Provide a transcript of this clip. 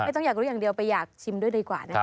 ต้องอยากรู้อย่างเดียวไปอยากชิมด้วยดีกว่านะคะ